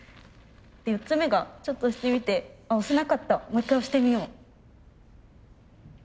で４つ目がちょっと押してみてあ押せなかったもう一回押してみよう。